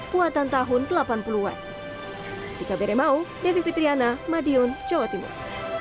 kuatan tahun delapan puluh an di kbrmau david fitriana madiun jawa timur